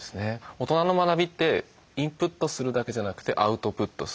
大人の学びってインプットするだけじゃなくてアウトプットする。